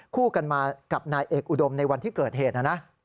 คู่กันมากับนายเอกอุดมในวันที่เกิดเหตุนะนะ